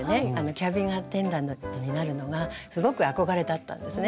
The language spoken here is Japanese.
キャビンアテンダントになるのがすごく憧れだったんですね。